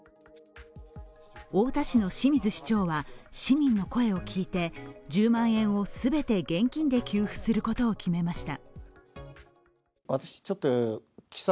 太田市の清水市長は市民の声を聞いて１０万円をすべて現金で給付することを決めました。